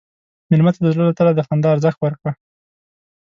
مېلمه ته د زړه له تله د خندا ارزښت ورکړه.